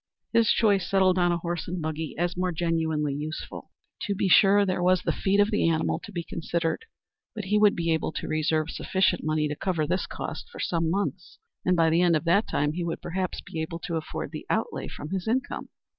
His choice settled on a horse and buggy as more genuinely useful. To be sure there was the feed of the animal to be considered; but he would be able to reserve sufficient money to cover this cost for some months, and by the end of that time he would perhaps be able to afford the outlay from his income.